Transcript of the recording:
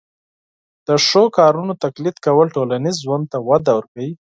د ښو کارونو تقلید کول ټولنیز ژوند ته وده ورکوي.